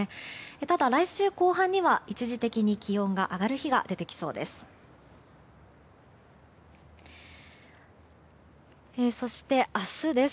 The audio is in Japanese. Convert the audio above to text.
ただ、来週後半には一時的に気温が上がる日が出てきそうです。